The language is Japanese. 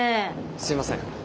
すいません。